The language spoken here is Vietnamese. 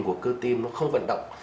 của cơ tim nó không vận động